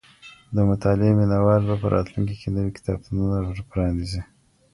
د مطالعې مينه وال به په راتلونکي کي نوي کتابتونونه پرانيزي.